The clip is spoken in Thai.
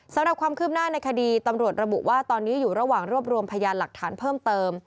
สำหรับความคืบหน้าในคดีตำรวจระบุว่าตอนนี้อยู่ระหว่างรวบรวมพยานหลักฐานเพิ่มเติม